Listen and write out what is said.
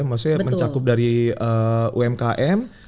maksudnya mencakup dari umkm